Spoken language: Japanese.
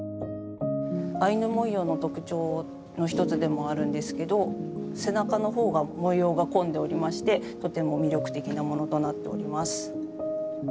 アイヌ文様の特徴の一つでもあるんですけど背中の方が模様が込んでおりましてとても魅力的なものとなっております。